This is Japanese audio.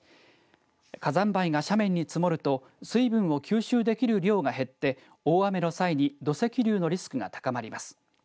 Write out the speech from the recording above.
火山灰が斜面に積もると水分を吸収できる量が減って大雨の際に土石流のリスクが高まります。